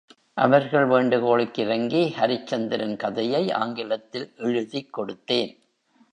அவர்கள் வேண்டுகோளுக்கிரங்கி ஹரிச்சந்திரன் கதையை ஆங்கிலத்தில் எழுதிக் கொடுத்தேன்.